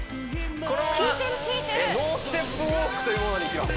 このままノーステップウォークというものにいきます